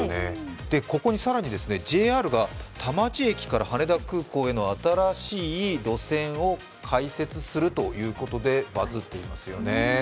ここに更にＪＲが田町駅から羽田空港への新しい路線を開設するということでバズっていますよね。